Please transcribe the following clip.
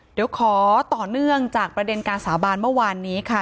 เดี๋ยวขอต่อเนื่องจากประเด็นการสาบานเมื่อวานนี้ค่ะ